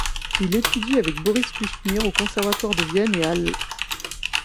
Il étudie avec Boris Kuschnir au Conservatoire de Vienne et à l'.